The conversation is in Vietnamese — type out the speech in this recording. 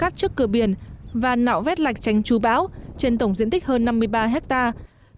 trước cửa biển và nạo vét lạch tranh trú bão trên tổng diện tích hơn năm mươi ba hectare